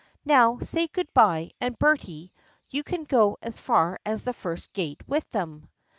"Now, say good bye, and, Bertie, you can go as far as the first gate with them."